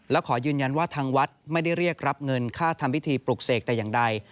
และขอยืนยันว่าทางวัดไม่ได้เรียกรับเงินค่าทำพิธีปลุกเสกแต่อย่างใด